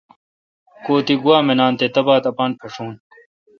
کو تہ گوا منان تہ تبتھہ اپان پھݭون۔